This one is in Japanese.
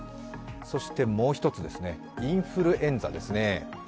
そしてもう一つ、インフルエンザです。